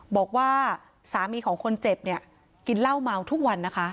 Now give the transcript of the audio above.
บอกว่าสามีของคนเจ็บกินเงาทุกวันนะคะ